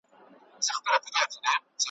بس همدا مو وروستی جنګ سو په بري به هوسیږو ,